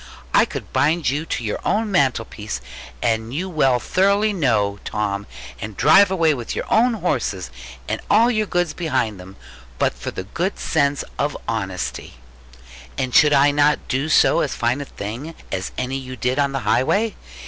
I could bind you to your own mantelpiece, as you know thoroughly well, Tom; and drive away with your own horses, and all your goods behind them, but for the sense of honesty. And should I not do as fine a thing as any you did on the highway?